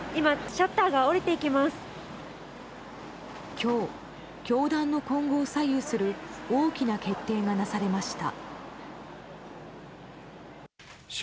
今日、教団の今後を左右する大きな決定がなされました。